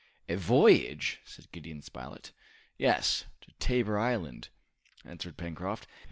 "A voyage?" said Gideon Spilett. "Yes, to Tabor Island," answered Pencroft.